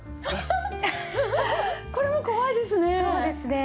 これも怖いですね。